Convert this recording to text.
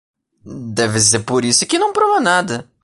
Deve ser por isso que não prova nada.